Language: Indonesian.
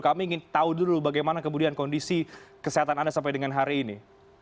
kami ingin tahu dulu bagaimana kemudian kondisi kesehatan anda sampai dengan hari ini